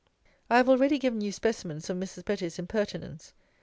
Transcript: I have already given you specimens of Mrs. Betty's impertinence.